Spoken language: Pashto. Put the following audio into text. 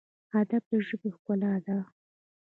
ادب د ژبې ښکلا ده